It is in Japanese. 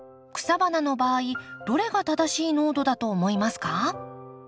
草花の場合どれが正しい濃度だと思いますか？